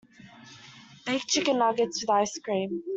Baked chicken nuggets, with ice cream.